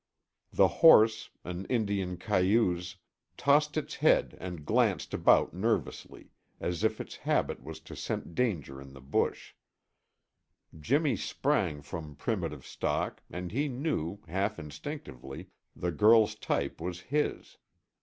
The horse, an Indian cayuse, tossed its head and glanced about nervously, as if its habit was to scent danger in the bush. Jimmy sprang from primitive stock and he knew, half instinctively, the girl's type was his.